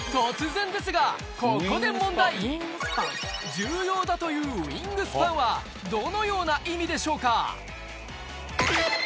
重要だというウイングスパンはどのような意味でしょうか？